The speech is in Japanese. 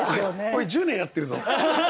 俺１０年やってるぞ。